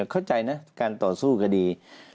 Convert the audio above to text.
เข้าใจนะการต่อสู้คดี